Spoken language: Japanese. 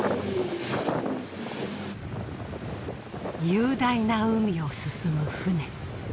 雄大な海を進む船。